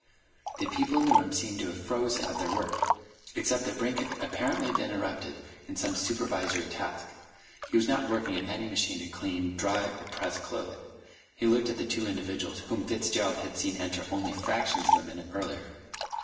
The people in the room seemed to have frozen at their work, except that Brink had apparently been interrupted in some supervisory task. He was not working at any machine to clean, dye, dry, or press clothing. He looked at the two individuals whom Fitzgerald had seen enter only fractions of a minute earlier.